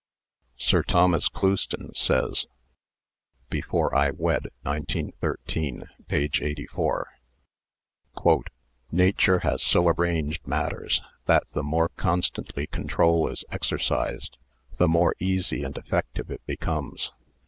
Sir Thomas Clouston says (" Before I Wed," 1913, page 84) :" Nature has so arranged matters that the more constantly control is exercised the more easy and effective it becomes.